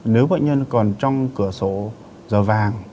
nếu bệnh nhân còn trong cửa sổ giờ vàng